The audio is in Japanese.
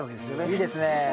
いいですね。